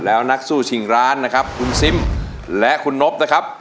แล้วนักสู้ชิงร้านนะครับคุณซิมและคุณนบนะครับ